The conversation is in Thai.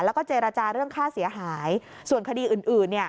แล้วก็เจรจาเรื่องค่าเสียหายส่วนคดีอื่นอื่นเนี่ย